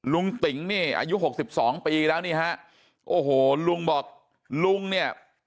ลุงติ๋งอายุ๖๒ปีแล้วนี่ฮะโอ้โหลุงบอกลุงเนี่ย